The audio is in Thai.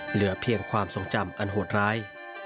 เหลือเพียงความทรงจำอันโหดร้าย